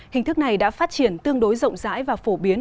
hình thức này đã phát triển tương đối rộng rãi và phổ biến